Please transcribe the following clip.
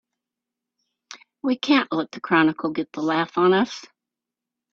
We can't let the Chronicle get the laugh on us!